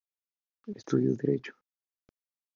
Estudió Derecho.